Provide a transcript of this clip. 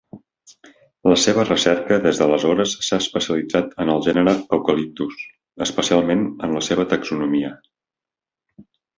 La seva recerca des d'aleshores s'ha especialitzat en el gènere "Eucalyptus", especialment en la seva taxonomia.